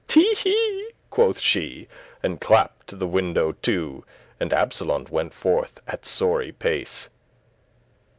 "Te he!" quoth she, and clapt the window to; And Absolon went forth at sorry pace.